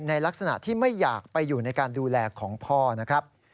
ในลักษณะที่ไม่อยากไปอยู่ในการดูแลของพ่อนะครับ